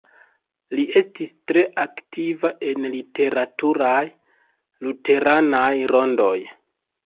Li estis tre aktiva en literaturaj luteranaj rondoj.